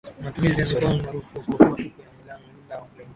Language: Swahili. Matumizi ya mikono ni marufuku isipokuwa tu kwa mlinda mlango au golikipa